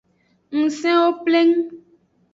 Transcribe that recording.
Ngsewo pleng.